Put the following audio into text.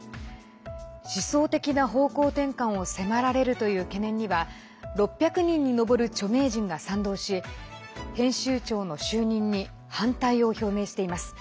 思想的な方向転換を迫られるという懸念には６００人に上る著名人が賛同し編集長の就任に反対を表明しています。